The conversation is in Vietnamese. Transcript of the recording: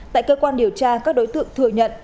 tại cơ quan điều tra các đối tượng thừa nhận